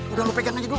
udah lo pegang aja dulu